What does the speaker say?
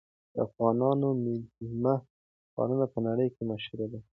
د افغانانو مېلمه پالنه په نړۍ کې مشهوره ده.